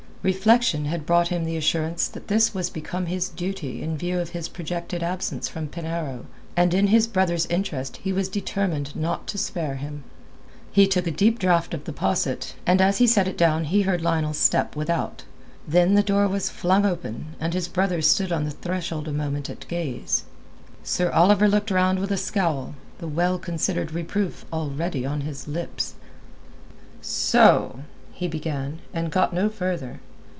Reflection had brought him the assurance that this was become his duty in view of his projected absence from Penarrow; and in his brother's interest he was determined not to spare him. He took a deep draught of the posset, and as he set it down he heard Lionel's step without. Then the door was flung open, and his brother stood on the threshold a moment at gaze. Sir Oliver looked round with a scowl, the well considered reproof already on his lips. "So...." he began, and got no further.